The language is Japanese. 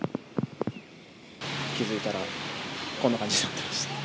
気付いたらこんな感じになってました。